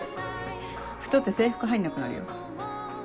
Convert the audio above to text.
太って制服入んなくなるよ。